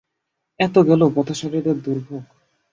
এত গেল পথচারীদের দুর্ভোগ।